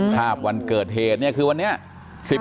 วันเกิดเหตุเนี่ยคือวันนี้